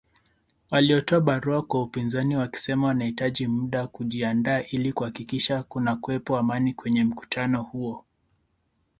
Walitoa barua kwa upinzani wakisema wanahitaji muda kujiandaa ili kuhakikisha kunakuwepo Amani kwenye mkutano huo.